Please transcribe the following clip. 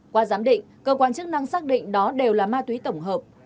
qua giám định cơ quan chức năng xác định đó đều là ma túy tổng hợp